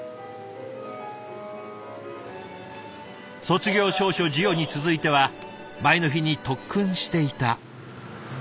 卒業証書授与に続いては前の日に特訓していた。